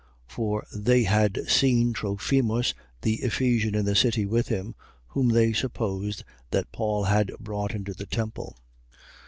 21:29. (For they had seen Trophimus the Ephesian in the city with him. whom they supposed that Paul had brought into the temple.)